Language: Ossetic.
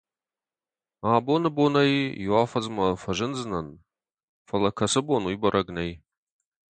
Абоны бонӕй иу афӕдзмӕ фӕзындзынӕн, фӕлӕ кӕцы бон, уый бӕрӕг нӕй.